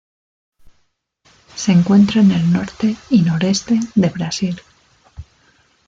Se encuentra en el norte y noreste de Brasil.